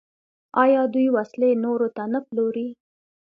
آیا دوی وسلې نورو ته نه پلوري؟